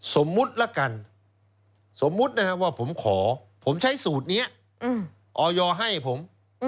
สมมุติละกันสมมุตินะครับว่าผมขอผมใช้สูตรนี้ออยให้ผม